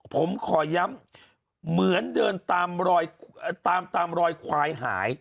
ผมขอย้ำเหมือนเดินตามรอยควายหาย